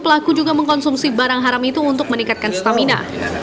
pelaku juga mengkonsumsi barang haram itu untuk meningkatkan stamina